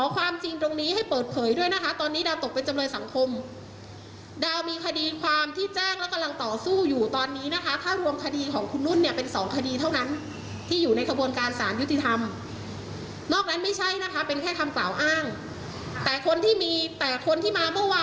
ความจริงตรงนี้ให้เปิดเผยด้วยนะคะตอนนี้ดาวตกเป็นจำนวนสังพม